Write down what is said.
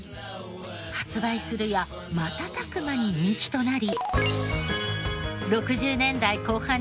発売するや瞬く間に人気となり。